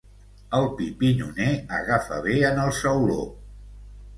El pi pinyoner agafa bé en el sauló.